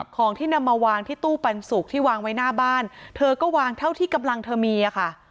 ของที่นำมาวางที่ตู้ปันสุกที่วางไว้หน้าบ้านเธอก็วางเท่าที่กำลังเธอมีอะค่ะ